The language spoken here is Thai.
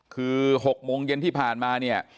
คือ๖โมงเย็นที่ผ่านมาเนี่ย